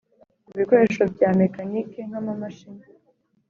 ku bikoresho bya mekanike nk amamashini